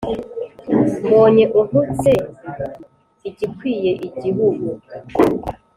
mbonye antutse igikwiye igihugu,